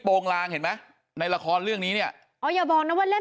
งลางเห็นไหมในละครเรื่องนี้เนี่ยอ๋ออย่าบอกนะว่าเล่น